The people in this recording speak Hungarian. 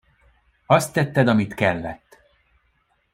Azt tetted, amit kellett.